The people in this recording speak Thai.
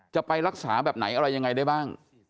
จะไปรักษาแบบไหนอะไรยังไงได้บ้าง